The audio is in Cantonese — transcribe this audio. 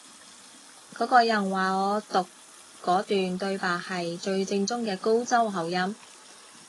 嗰個人話我讀嗰段對白係最正宗嘅高州口音